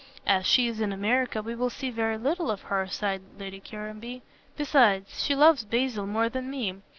"As she is in America we will see very little of her," sighed Lady Caranby, "besides, she loves Basil more than me.